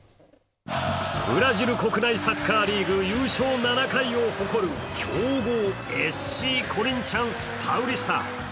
ブラジル国内サッカーリーグ優勝７回を誇る強豪、ＳＣコリンチャンス・パウリスタ。